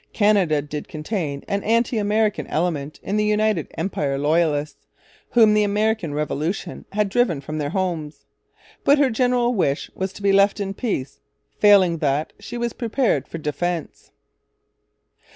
Canada did contain an anti American element in the United Empire Loyalists, whom the American Revolution had driven from their homes. But her general wish was to be left in peace. Failing that, she was prepared for defence.